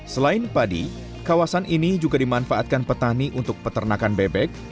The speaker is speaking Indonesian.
selain padi kawasan ini juga dimanfaatkan petani untuk peternakan bebek